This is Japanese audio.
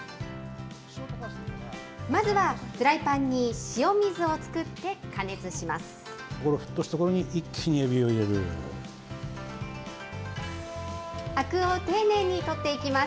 まずはフライパンに塩水を作って加熱します。